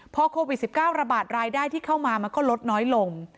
พอโควิด๑๙ระบาดรายได้ที่เข้ามามันก็ลดน้อยลง